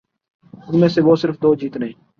ان میں سے وہ صرف دو جیتنے